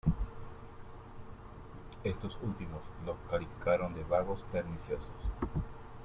Estos últimos los calificaron de "vagos perniciosos".